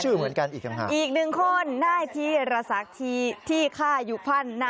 ชื่อเหมือนกันอีกทั้งหากอีกหนึ่งคนนายที่ระศักดิ์ที่ข้าอยู่พันธ์